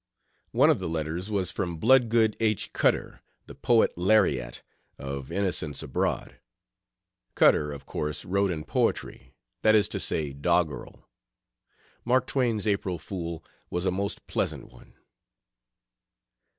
One of the letters was from Bloodgood H. Cutter, the "Poet Lariat" of Innocents Abroad. Cutter, of course, wrote in "poetry," that is to say, doggerel. Mark Twain's April Fool was a most pleasant one.